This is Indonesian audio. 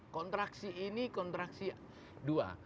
kontraksi ini kontraksi dua